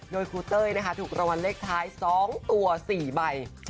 โดยครูเต้ยนะคะถูกรางวัลเลขท้าย๒ตัว๔ใบ